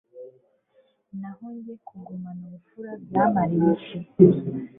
naho jye kugumana ubupfura byamariye iki